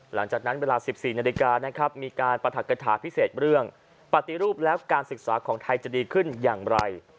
หลังจากนั้นเวลา๑๔นาฬิกานะครับมีการปรัฐกฐาพิเศษเรื่องปฏิรูปแล้วการศึกษาของไทยจะดีขึ้นอย่างไร